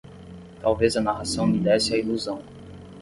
Talvez a narração me desse a ilusão